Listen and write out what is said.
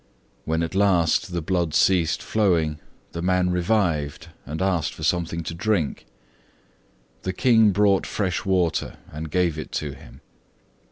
When at last the blood ceased flowing, the man revived and asked for something to drink. The King brought fresh water and gave it to him.